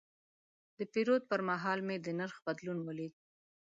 د پیرود پر مهال مې د نرخ بدلون ولید.